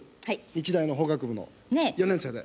日大の法学部の４年生で。